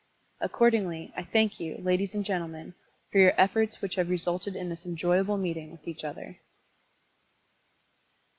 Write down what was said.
Accordingly, I thank you, ladies and gentlemen, for your efforts which have resulted in this enjoyable meeting with each other.